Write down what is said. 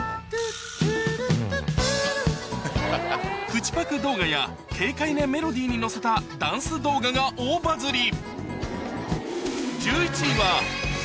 口パク動画や軽快なメロディーに乗せたダンス動画が大バズり